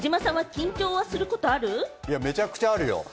めちゃくちゃあるよ。